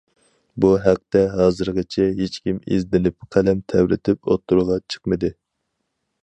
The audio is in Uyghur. بۇ ھەقتە ھازىرغىچە ھېچكىم ئىزدىنىپ، قەلەم تەۋرىتىپ ئوتتۇرىغا چىقمىدى.